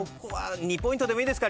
２ポイントでもいいですか？